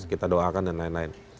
kita doakan dan lain lain